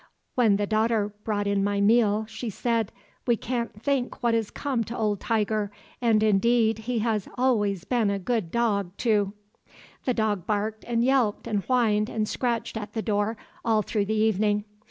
When the daughter brought in my meal, she said: 'We can't think what is come to old Tiger, and indeed, he has always been a good dog, too.' "The dog barked and yelped and whined and scratched at the door all through the evening.